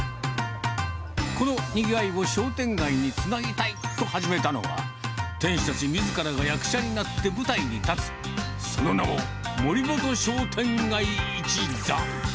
このにぎわいを商店街につなげたいと始めたのが、店主たちみずからが役者になって舞台に立つ、その名も、森本商店街一座。